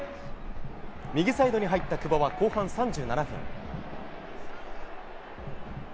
右サイドに入った久保は後半３７分。